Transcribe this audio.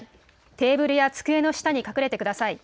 テーブルや机の下に隠れてください。